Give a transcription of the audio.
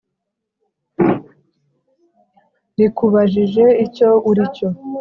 Rikubajije icyo uri cyo